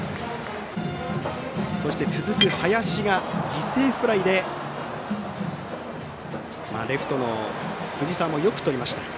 そして続く林が犠牲フライでレフトの藤澤もよくとりました。